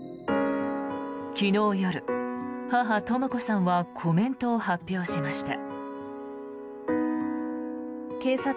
昨日夜、母・とも子さんはコメントを発表しました。